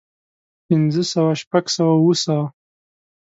پنځۀ سوه شپږ سوه اووه سوه